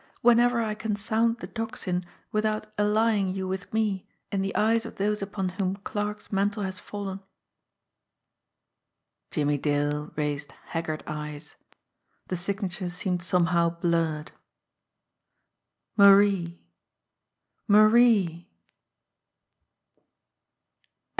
whenever I can 'sound the Tocsin' without allying you with me in the eyes of those upon whom Clarke's mantle has fallen." Jimmie Dale raised haggard eyes. The signature seemed somehow blurred. "Marie ...